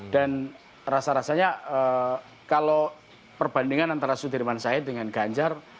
dan rasa rasanya kalau perbandingan antara sudirman saya dengan ganjar